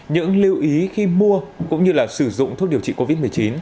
những lưu ý khi mua cũng như là sử dụng thuốc điều trị covid một mươi chín